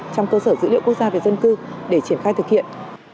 trong cơ sở dữ liệu quốc gia về dân cư để triển khai thực hiện